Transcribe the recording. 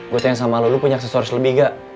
gue tanya sama lo lo punya aksesoris lebih gak